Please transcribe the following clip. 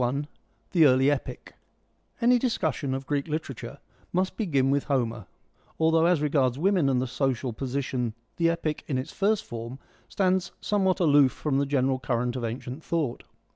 I. — The Early Epic Any discussion of Greek literature must begin with Homer, although as regards women and the social position the Epic in its first form stands somewhat aloof from the general current of ancient thought.